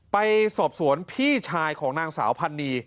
ไปสอบสวนพี่ชายของนางสาวพันนี